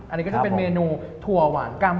อันนี้ก็จะเป็นเมนูถั่วหวานกำ